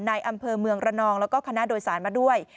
ในอำเภอเมืองระนองแล้วก็คณะโดยสารมาด้วย